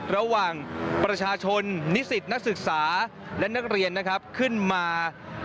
ระหว่างประชาชนนิสิตนักศึกษาและนักเรียนนะครับขึ้นมา